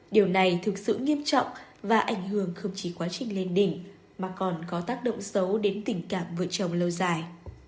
điều này thực sự nghiêm trọng và ảnh hưởng không chỉ quá trình lên đỉnh mà còn có tác động xấu đến tình cảm vợ chồng lâu dài